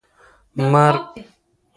مرګ ما ته اوس ګواښ نه ښکاره کېده.